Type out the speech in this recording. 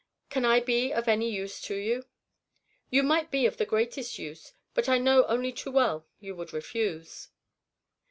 "Can I be of any use to you?" "You might be of the greatest use. But I know only too well, you would refuse."